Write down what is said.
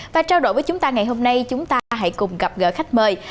và trao đổi với chúng ta ngày hôm nay chúng ta hãy cùng gặp gỡ khách mời